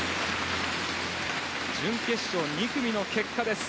準決勝２組の結果です。